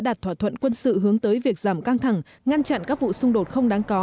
đạt thỏa thuận quân sự hướng tới việc giảm căng thẳng ngăn chặn các vụ xung đột không đáng có